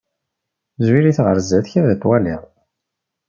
Zwir-it ɣer zdat-k ad t-twalliḍ.